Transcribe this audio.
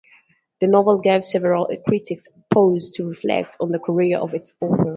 The novel gave several critics pause to reflect on the career of its author.